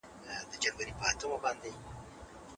عدل د مسلمانانو تر ټولو قوي وسله ده.